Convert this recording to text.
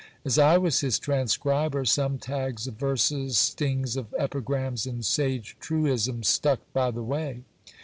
As I was his transcriber, some tags of verses, stings of epigrams, and sage truisms stuck by the way.